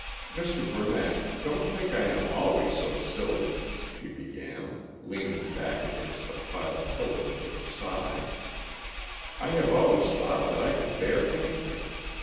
"Mr. Burnett, don't think I am always so silly," she began, leaning back against the piled pillows with a sigh. "I have always thought that I could bear anything.